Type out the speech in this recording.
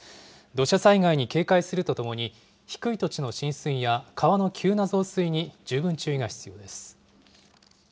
土砂災害に警戒するとともに、低い土地の浸水や川の急な増水に十分注意が必要です。